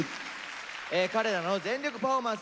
彼らの全力パフォーマンス。